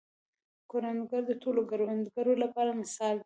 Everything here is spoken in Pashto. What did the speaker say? کروندګر د ټولو کروندګرو لپاره مثال دی